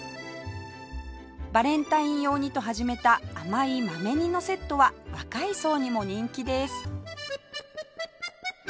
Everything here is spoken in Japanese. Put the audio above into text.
バレンタイン用にと始めた甘い豆煮のセットは若い層にも人気です